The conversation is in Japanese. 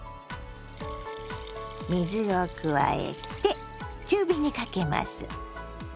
水を加えて中火にかけます。